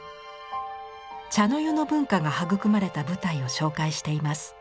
茶の湯の文化が育まれた舞台を紹介しています。